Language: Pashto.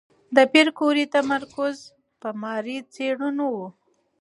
د پېیر کوري تمرکز په ماري څېړنو و.